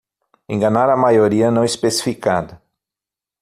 Enganar a maioria não especificada